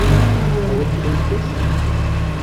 Ad awen-ten-yekkes?